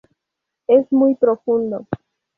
Es muy profundo.